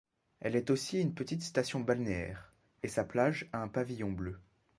Elle est aussi une petite station balnéaire, et sa plage a un Pavillon Bleu.